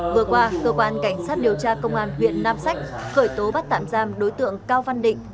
vừa qua cơ quan cảnh sát điều tra công an huyện nam sách khởi tố bắt tạm giam đối tượng cao văn định